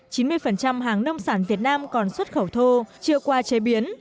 chín mươi hàng nông sản việt nam còn xuất khẩu thô chưa qua chế biến